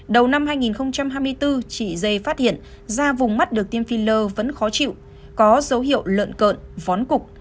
đầu năm hai nghìn hai mươi bốn chị dây phát hiện da vùng mắt được tiêm filler vẫn khó chịu có dấu hiệu lợn cợn vón cục